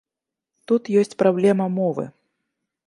Тут ёсць праблема мовы.